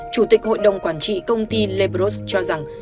chủ tịch hội đồng quản trị công ty lebros cho rằng